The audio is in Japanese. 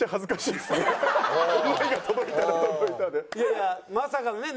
いやいやまさかのね